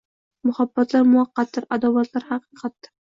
Muhabbatlar muvaqqatdir, adovatlar haqiqatdir